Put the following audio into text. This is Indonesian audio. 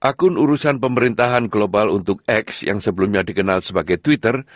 akun urusan pemerintahan global untuk x yang sebelumnya dikenal sebagai twitter